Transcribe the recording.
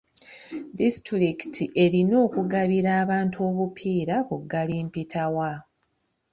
Distitulikiti erina okugabira abantu obupiira bu kalimpitawa